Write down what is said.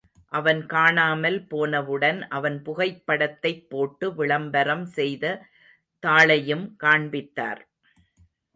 அவன் காணாமல் போனவுடன் அவன் புகைப்படத்தைப் போட்டு விளம்பரம் செய்த தாளையும் காண்பித்தார்.